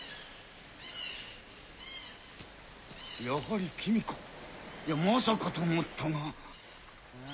やはり君かまさかと思ったが。